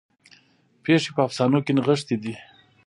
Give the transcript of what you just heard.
پیښې په افسانو کې نغښتې دي.